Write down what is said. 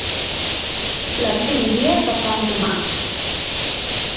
Les cinc vies de sant Tomàs.